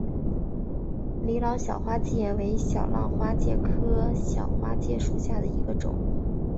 李老小花介为小浪花介科小花介属下的一个种。